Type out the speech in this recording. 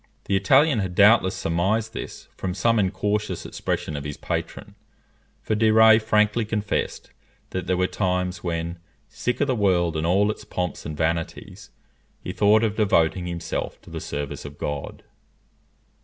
The Italian had doubtless surmised this from some incautious expression of his patron, for de Rays frankly confessed that there were times when, sick of the world and all its pomps and vanities, he thought of devoting himself to the service of God.